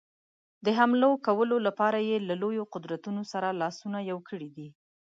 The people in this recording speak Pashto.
د حملو کولو لپاره یې له لویو قدرتونو سره لاسونه یو کړي دي.